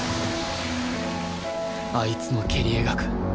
あいつの蹴り描く